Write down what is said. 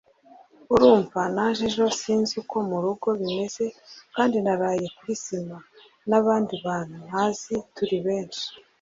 urumva naje ejo sinzi uko mu rugo bimeze kandi naraye kuri sima n’abandi bantu ntazi turi benshi